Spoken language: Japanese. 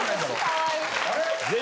・かわいい！